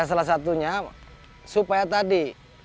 salah satunya supaya tadi